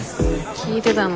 聞いてたの？